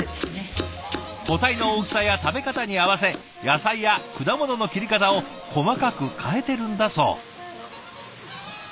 個体の大きさや食べ方に合わせ野菜や果物の切り方を細かく変えてるんだそう。